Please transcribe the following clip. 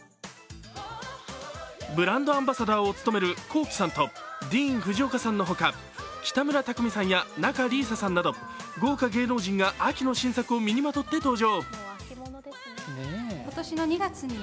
ブランドアンバサダーを務めるＫｏｋｉ，さんとディーン・フジオカさんのほか、北村匠海さんや仲里依紗さんなど豪華芸能人が秋の新作を身にまとって登場。